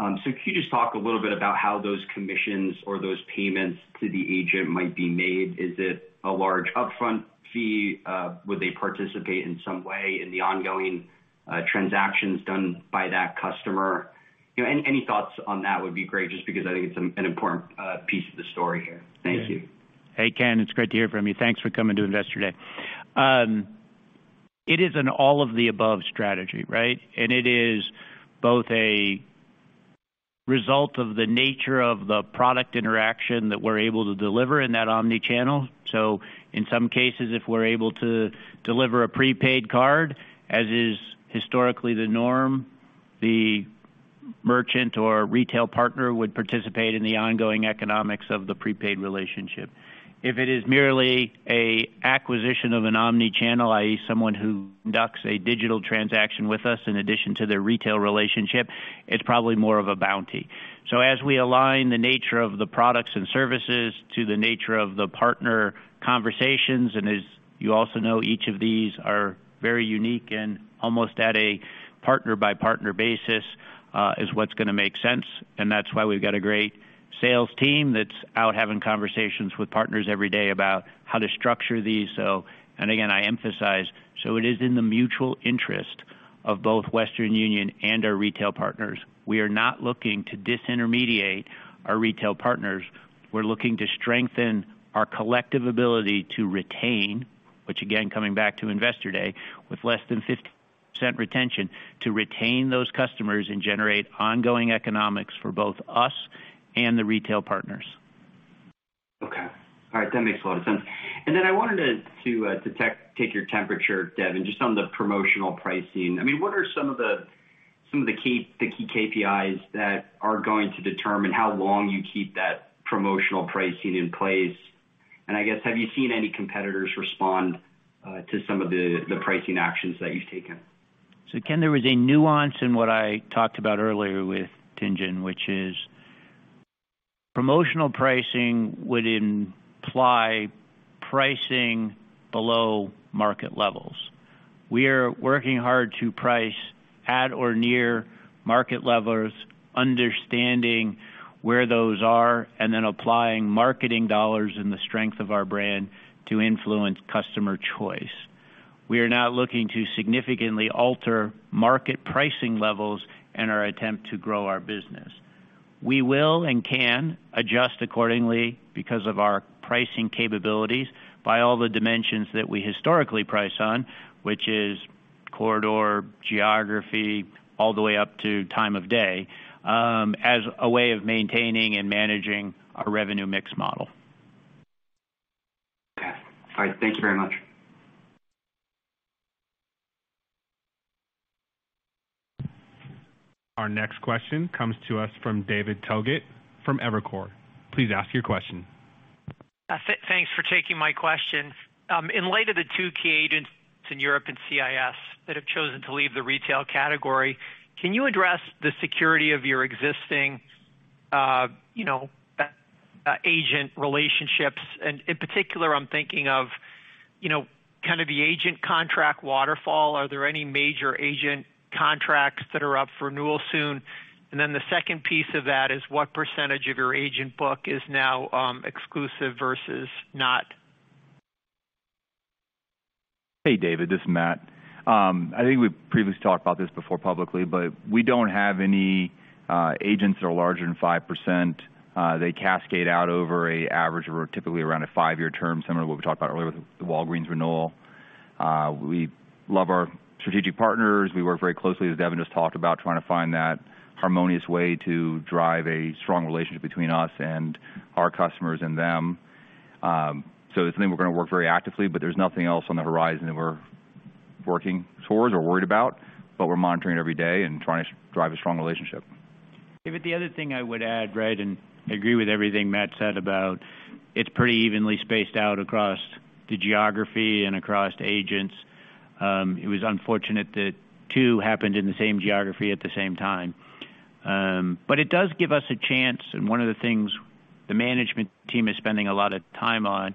So, can you just talk a little bit about how those commissions or those payments to the agent might be made? Is it a large upfront fee? Would they participate in some way in the ongoing transactions done by that customer? You know, any thoughts on that would be great, just because, I think it's an important piece of the story here. Thank you. Hey, Ken. It's great to hear from you. Thanks for coming to Investor Day. It is an all of the above strategy, right? It is both a result of the nature of the product interaction that we're able to deliver in that omni-channel. In some cases, if we're able to deliver a prepaid card, as is historically the norm, the merchant or retail partner would participate in the ongoing economics of the prepaid relationship. If it is merely an acquisition of an omni-channel, i.e., someone who conducts a digital transaction with us in addition to their retail relationship, it's probably more of a bounty. As we align the nature of the products and services to the nature of the partner conversations, and as you also know, each of these are very unique and almost at a partner-by-partner basis, is what's gonna make sense, and that's why we've got a great sales team that's out having conversations with partners every day about how to structure these. Again, I emphasize, it is in the mutual interest of both Western Union and our retail partners. We are not looking to disintermediate our retail partners. We're looking to strengthen our collective ability to retain, which again, coming back to Investor Day, with less than 50% retention, to retain those customers and generate ongoing economics for both us and the retail partners. Okay. All right. That makes a lot of sense. Then I wanted to take your temperature, Devin, just on the promotional pricing. I mean, what are some of the key KPIs that are going to determine how long you keep that promotional pricing in place? I guess, have you seen any competitors respond to some of the pricing actions that you've taken? Again, there was a nuance in what I talked about earlier with Tien-Tsin Huang, which is promotional pricing would imply pricing below market levels. We are working hard to price at or near market levels, understanding where those are, and then applying marketing dollars in the strength of our brand to influence customer choice. We are not looking to significantly alter market pricing levels in our attempt to grow our business. We will and can adjust accordingly because of our pricing capabilities by all the dimensions that we historically price on, which is corridor, geography, all the way up to time of day, as a way of maintaining and managing our revenue mix model. Okay. All right. Thank you very much. Our next question comes to us from David Togut from Evercore ISI. Please ask your question. Thanks for taking my question. In light of the two key agents in Europe and CIS that have chosen to leave the retail category, can you address the security of your existing agent relationships? In particular, I'm thinking of, you know, kind of the agent contract waterfall. Are there any major agent contracts that are up for renewal soon? Then the second piece of that is what percentage of your agent book is now exclusive versus not? Hey, David, this is Matt. I think we've previously talked about this before publicly, but we don't have any agents that are larger than 5%. They cascade out over an average or typically around a five-year term, similar to what we talked about earlier with the Walgreens renewal. We love our strategic partners. We work very closely, as Devin just talked about, trying to find that harmonious way to drive a strong relationship between us and our customers and them. It's something we're gonna work very actively, but there's nothing else on the horizon that we're working towards or worried about. We're monitoring every day and trying to drive a strong relationship. David, the other thing I would add, right, and I agree with everything Matt said about it's pretty evenly spaced out across the geography and across agents. It was unfortunate that two happened in the same geography at the same time. But it does give us a chance, and one of the things the management team is spending a lot of time on,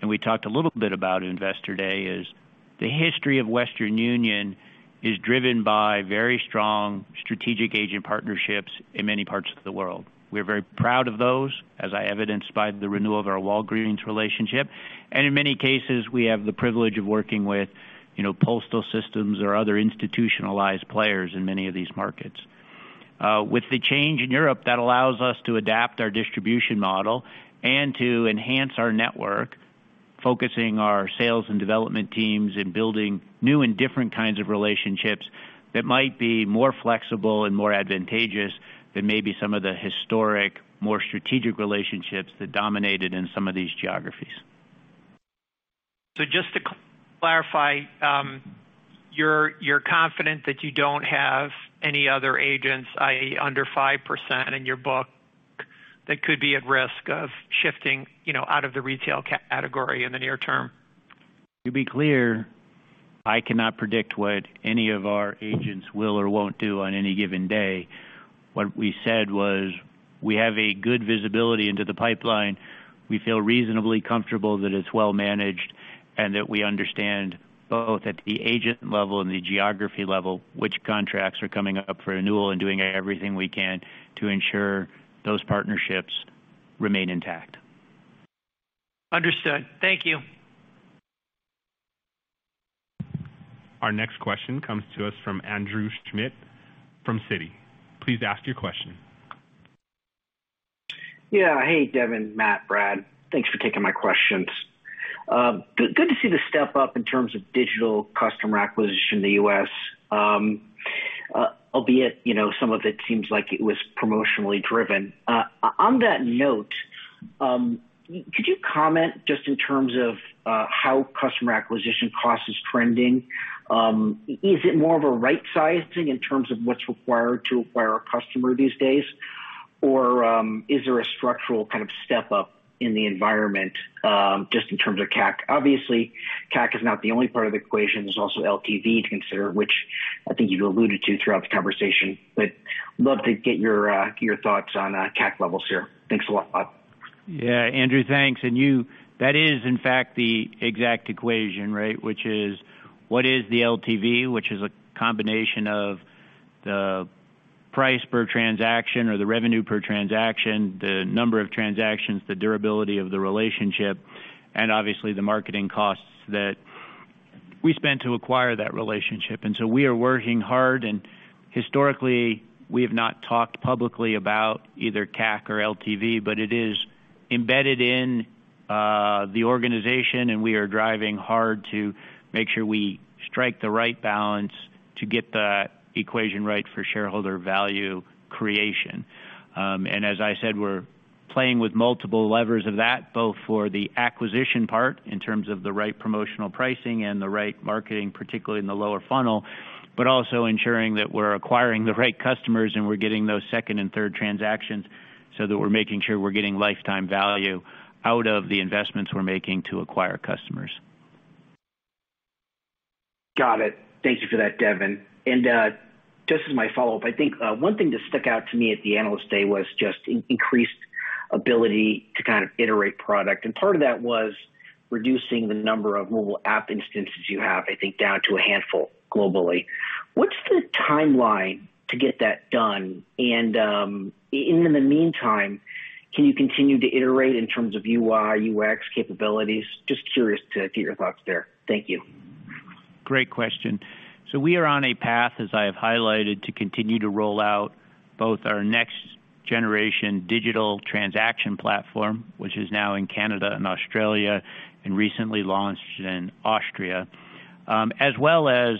and we talked a little bit about Investor Day, is the history of Western Union is driven by very strong strategic agent partnerships in many parts of the world. We're very proud of those, as is evidenced by the renewal of our Walgreens relationship. In many cases, we have the privilege of working with, you know, postal systems or other institutionalized players in many of these markets. With the change in Europe, that allows us to adapt our distribution model and to enhance our network, focusing our sales and development teams in building new and different kinds of relationships that might be more flexible and more advantageous than maybe some of the historic, more strategic relationships that dominated in some of these geographies. Just to clarify, you're confident that you don't have any other agents, i.e., under 5% in your book, that could be at risk of shifting, you know, out of the retail category in the near term? To be clear, I cannot predict what any of our agents will or won't do on any given day. What we said was we have a good visibility into the pipeline. We feel reasonably comfortable that it's well managed and that we understand both at the agent level and the geography level, which contracts are coming up for renewal and doing everything we can to ensure those partnerships remain intact. Understood. Thank you. Our next question comes to us from Andrew Schmidt from Citi. Please ask your question. Yeah. Hey, Devin, Matt, Brad. Thanks for taking my questions. Good to see the step up in terms of digital customer acquisition in the U.S. Albeit, you know, some of it seems like it was promotionally driven. On that note, could you comment just in terms of how customer acquisition cost is trending? Is it more of a right sizing in terms of what's required to acquire a customer these days? Or, is there a structural kind of step up in the environment, just in terms of CAC? Obviously, CAC is not the only part of the equation. There's also LTV to consider, which I think you alluded to throughout the conversation. Love to get your thoughts on CAC levels here. Thanks a lot. Yeah, Andrew. Thanks. You, that is in fact the exact equation, right? Which is what is the LTV, which is a combination of the price per transaction or the revenue per transaction, the number of transactions, the durability of the relationship, and obviously the marketing costs that we spend to acquire that relationship. We are working hard and historically, we have not talked publicly about either CAC or LTV, but it is embedded in the organization and we are driving hard to make sure we strike the right balance to get the equation right for shareholder value creation. As I said, we're playing with multiple levers of that, both for the acquisition part in terms of the right promotional pricing and the right marketing, particularly in the lower funnel, but also ensuring that we're acquiring the right customers and we're getting those second and third transactions so that we're making sure we're getting lifetime value out of the investments we're making to acquire customers. Got it. Thank you for that, Devin. Just as my follow-up, I think one thing that stuck out to me at the Analyst Day was just increased ability to kind of iterate product. Part of that was reducing the number of mobile app instances you have, I think, down to a handful globally. What's the timeline to get that done? In the meantime, can you continue to iterate in terms of UI, UX capabilities? Just curious to get your thoughts there. Thank you. Great question. We are on a path, as I have highlighted, to continue to roll out both our next generation digital transaction platform, which is now in Canada and Australia, and recently launched in Austria, as well as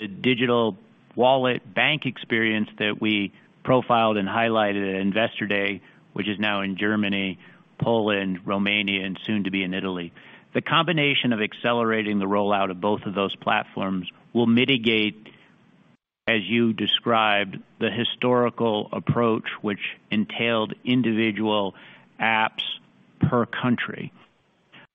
the digital wallet bank experience that we profiled and highlighted at Investor Day, which is now in Germany, Poland, Romania, and soon to be in Italy. The combination of accelerating the rollout of both of those platforms will mitigate, as you described, the historical approach which entailed individual apps per country.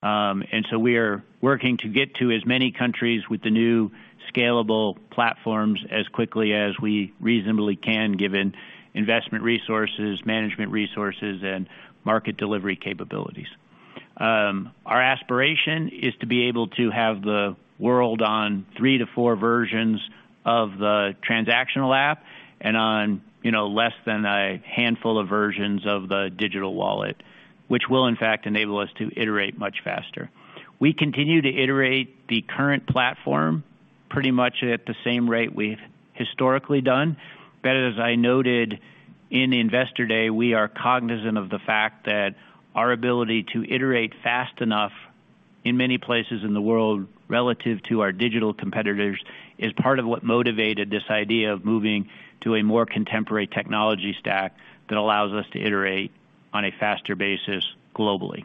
We are working to get to as many countries with the new scalable platforms as quickly as we reasonably can, given investment resources, management resources, and market delivery capabilities. Our aspiration is to be able to have the world on three to four versions of the transactional app and on, you know, less than a handful of versions of the digital wallet, which will in fact enable us to iterate much faster. We continue to iterate the current platform pretty much at the same rate we've historically done. As I noted in Investor Day, we are cognizant of the fact that our ability to iterate fast enough in many places in the world relative to our digital competitors is part of what motivated this idea of moving to a more contemporary technology stack that allows us to iterate on a faster basis globally.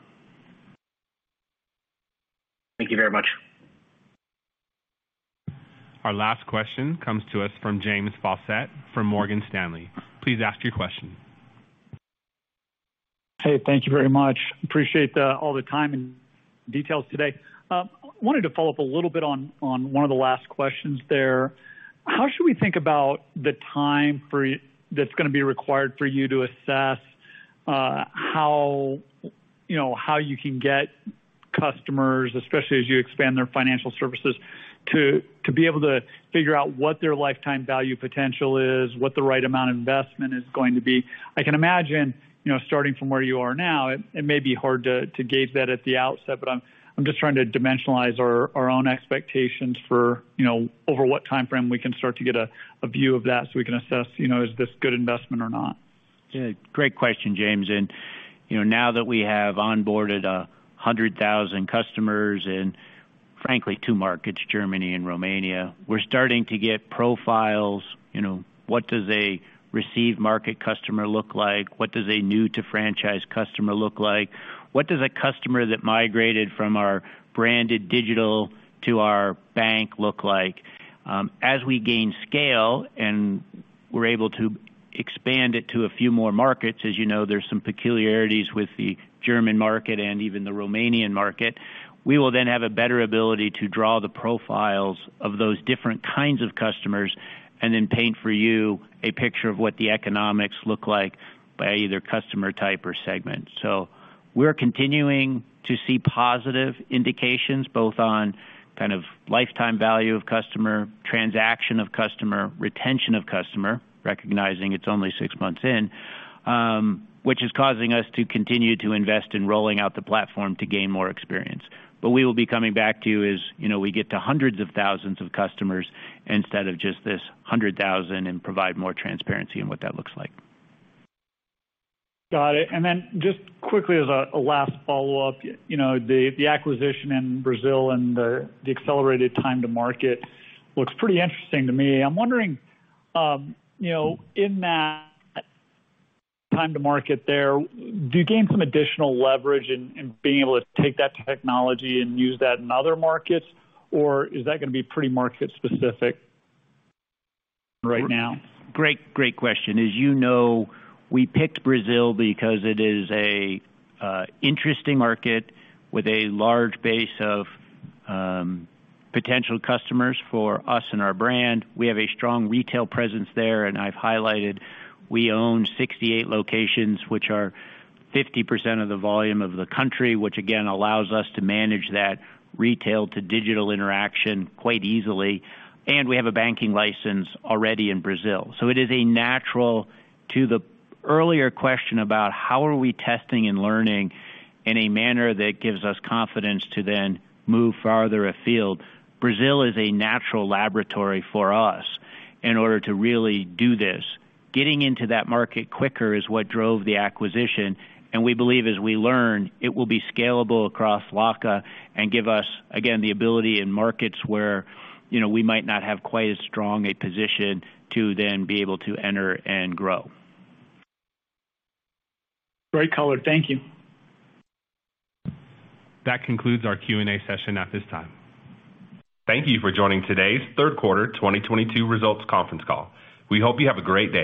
Thank you very much. Our last question comes to us from James Faucette from Morgan Stanley. Please ask your question. Hey, thank you very much. Appreciate all the time and details today. Wanted to follow up a little bit on one of the last questions there. How should we think about the time that's gonna be required for you to assess, you know, how you can get customers, especially as you expand their financial services, to be able to figure out what their lifetime value potential is, what the right amount of investment is going to be? I can imagine, you know, starting from where you are now, it may be hard to gauge that at the outset, but I'm just trying to dimensionalize our own expectations for, you know, over what timeframe we can start to get a view of that so we can assess, you know, is this a good investment or not? Yeah, great question, James. You know, now that we have onboarded 100,000 customers in, frankly, two markets, Germany and Romania, we're starting to get profiles. You know, what does a receive market customer look like? What does a new to franchise customer look like? What does a customer that migrated from our Branded Digital to our bank look like? As we gain scale and we're able to expand it to a few more markets, as you know, there's some peculiarities with the German market and even the Romanian market, we will then have a better ability to draw the profiles of those different kinds of customers and then paint for you a picture of what the economics look like by either customer type or segment. We're continuing to see positive indications both on kind of lifetime value of customer, transaction of customer, retention of customer, recognizing it's only six months in, which is causing us to continue to invest in rolling out the platform to gain more experience. We will be coming back to you as, you know, we get to hundreds of thousands of customers instead of just this hundred thousand and provide more transparency in what that looks like. Got it. Just quickly as a last follow-up. You know, the acquisition in Brazil and the accelerated time to market looks pretty interesting to me. I'm wondering, you know, in that time to market there, do you gain some additional leverage in being able to take that technology and use that in other markets, or is that gonna be pretty market specific right now? Great question. As you know, we picked Brazil because it is an interesting market with a large base of potential customers for us and our brand. We have a strong retail presence there, and I've highlighted we own 68 locations, which are 50% of the volume of the country, which again allows us to manage that retail to digital interaction quite easily. We have a banking license already in Brazil. It is a natural to the earlier question about how we are testing and learning in a manner that gives us confidence to then move farther afield. Brazil is a natural laboratory for us in order to really do this. Getting into that market quicker is what drove the acquisition, and we believe as we learn, it will be scalable across LatAm and give us, again, the ability in markets where, you know, we might not have quite as strong a position to then be able to enter and grow. Great color. Thank you. That concludes our Q&A session at this time. Thank you for joining today's third quarter 2022 results conference call. We hope you have a great day.